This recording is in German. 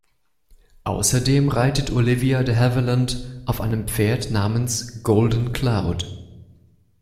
Außerdem reitet Olivia de Havilland auf einem Pferd namens "Golden Cloud".